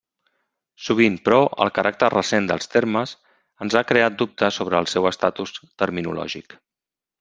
Sovint, però, el caràcter recent dels termes ens ha creat dubtes sobre el seu estatus terminològic.